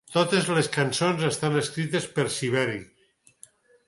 Totes les cançons estan escrites per Siberry.